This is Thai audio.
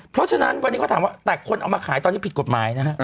เพราะฉะนั้นวันนี้เขาถามว่าแต่คนเอามาขายตอนนี้ผิดกฎหมายนะฮะ